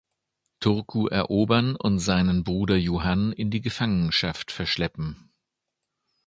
Turku erobern und seinen Bruder Johann in die Gefangenschaft verschleppen.